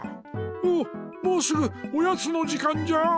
おっもうすぐおやつの時間じゃ！